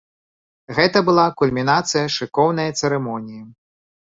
Гэта была кульмінацыя шыкоўнае цырымоніі.